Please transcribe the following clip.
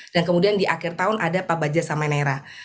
dan kemudian di akhir tahun ada pabaja samenera